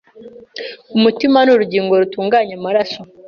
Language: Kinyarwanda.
Umutima ni urugingo rutunganya amaraso